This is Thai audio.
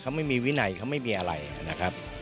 เขาไม่มีวินัยเขาไม่มีอะไรนะครับ